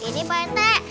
ini pak rt